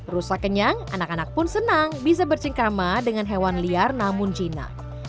rusak kenyang anak anak pun senang bisa bercengkrama dengan hewan liar namun jina